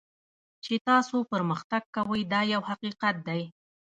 چې تاسو پرمختګ کوئ دا یو حقیقت دی.